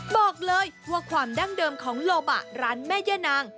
บอกเลยว่าความดั้งเดิมของโลบะร้านแม่ย่านาง